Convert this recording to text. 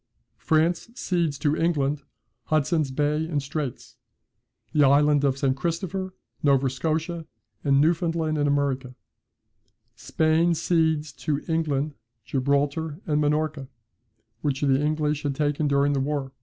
France cedes to England Hudson's Bay and Straits, the Island of St. Christopher, Nova Scotia, and Newfoundland in America, Spain cedes to England Gibraltar and Minorca, which the English had taken during the war.